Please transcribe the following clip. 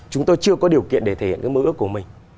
chúng tôi chưa có điều kiện để thể hiện cái mơ ước của mình